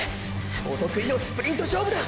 お得意のスプリント勝負だ！！